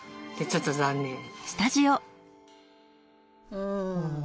うん。